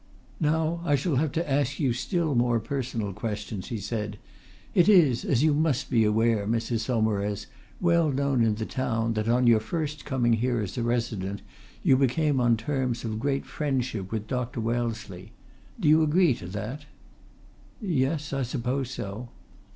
"Now I shall have to ask you still more personal questions," he said. "It is, as you must be aware, Mrs. Saumarez, well known in the town that on your first coming here as a resident you became on terms of great friendship with Dr. Wellesley. Do you agree to that?" "Yes, I suppose so."